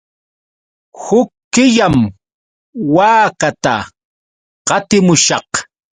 Huk killam waakata qatimushaq.